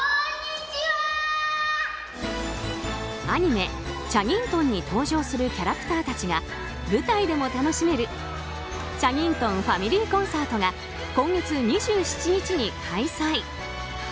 アニメ「チャギントン」に登場するキャラクターたちが舞台でも楽しめる「チャギントンファミリーコンサート」が今月２７日に開催。